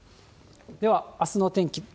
では、あすの天気。